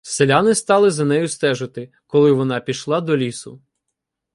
Селяни стали за нею стежити, коли вона пішла до лісу.